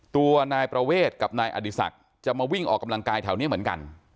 ตัวนายประเวทกับนายอดีศักดิ์จะมาวิ่งออกกำลังกายแถวนี้เหมือนกัน